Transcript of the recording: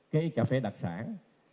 cái cà phê đặc sản